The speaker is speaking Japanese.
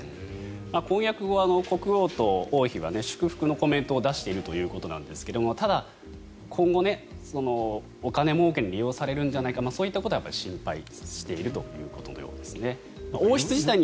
婚約後、国王と王妃は祝福のコメントを出しているということですがただ、今後、お金もうけに利用されるんじゃないかそういったことは心配しているということのようですね。